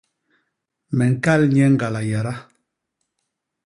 Me ñkal nye ñgala yada.